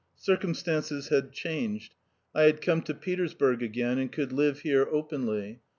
Circumstances had changed; I had come to Petersburg again and could live here openly.